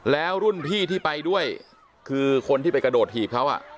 แล้วรุ่นพี่ที่ไปด้วยคือคนที่ไปกระโดดถีบเขา